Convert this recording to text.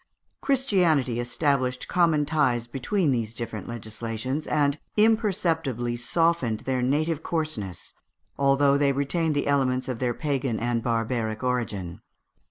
Christianity established common ties between these different legislations, and imperceptibly softened their native coarseness, although they retained the elements of their pagan and barbaric origin.